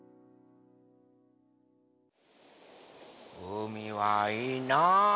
うみはいいな。